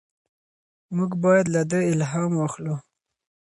موږ باید له ده الهام واخلو.